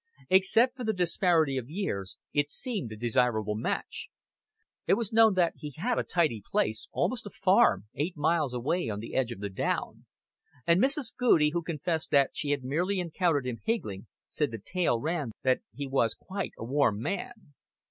Except for the disparity of years it seemed a desirable match. It was known that he had a tidy place, almost a farm, eight miles away on the edge of the down; and Mrs. Goudie, who confessed that she had merely encountered him higgling, said the tale ran that he was quite a warm man.